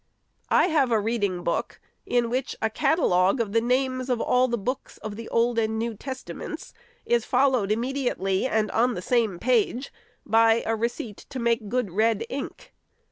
I have a reading book, in which a catalogue of the names of all the books of the Old and New Testaments is followed immediately, and on the same page, by a " receipt to make good red ink."